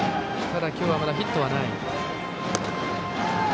ただ今日はまだヒットはない。